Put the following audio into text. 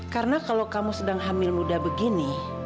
karena kalau kamu sedang hamil muda begini